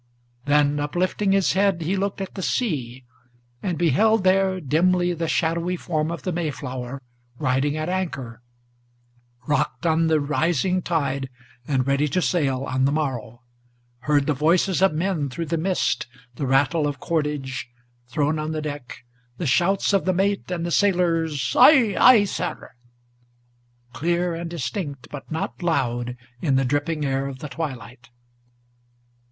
Then, uplifting his head, he looked at the sea, and beheld there Dimly the shadowy form of the Mayflower riding at anchor, Rocked on the rising tide, and ready to sail on the morrow; Heard the voices of men through the mist, the rattle of cordage Thrown on the deck, the shouts of the mate, and the sailors' "Ay, ay, Sir!" Clear and distinct, but not loud, in the dripping air of the twilight.